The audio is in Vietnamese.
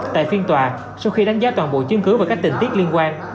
tại phiên tòa sau khi đánh giá toàn bộ chiến cứu và các tình tiết liên quan